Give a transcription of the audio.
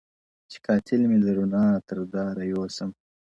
• چي قاتِل مي د رڼا تر داره یو سم,